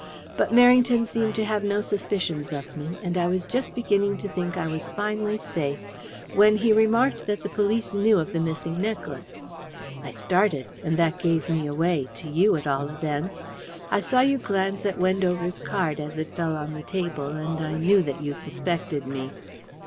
But Merrington seemed to have no suspicions of me, and I was just beginning to think I was finally safe when he remarked that the police knew of the missing necklace. I started, and that gave me away to you, at all events. I saw you glance at Wendover's card as it fell on the table, and I knew that you suspected me.